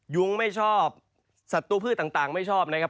ยุ้งไม่ชอบสัตรูพืชต่างไม่ชอบนะครับ